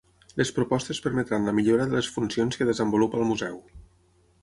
Les propostes permetran la millora de les funcions que desenvolupa el museu.